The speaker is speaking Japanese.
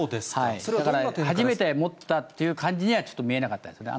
それはどんな点初めて持ったという感じにはちょっと見えなかったですね。